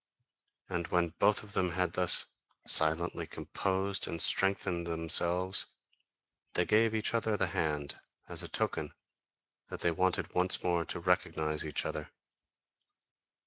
And when both of them had thus silently composed and strengthened themselves, they gave each other the hand, as a token that they wanted once more to recognise each other.